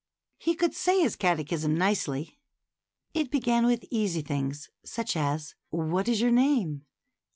He could say his catechism nicely. It began with easy things, such as What is your name?"